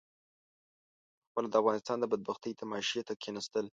پخپله د افغانستان د بدبختۍ تماشې ته کېنستل.